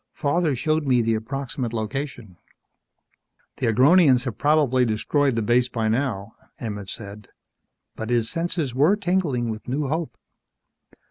Father showed me the approximate location " "The Agronians have probably destroyed the base by now," Emmett said. But his senses were tingling with new hope.